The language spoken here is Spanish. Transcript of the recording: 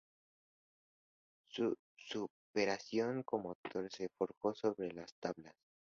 Su preparación como actor se forjó sobre las tablas.